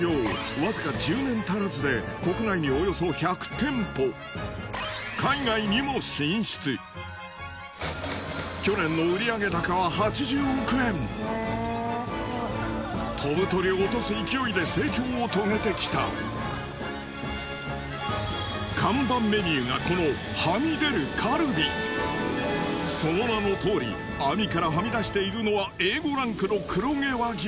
わずか１０年足らずで国内に海外にも進出去年の飛ぶ鳥を落とす勢いで成長を遂げてきた看板メニューがこのその名の通り網からはみ出しているのはＡ５ランクの黒毛和牛